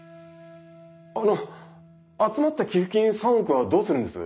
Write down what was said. あの集まった寄付金３億はどうするんです？